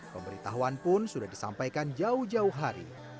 pemberitahuan pun sudah disampaikan jauh jauh hari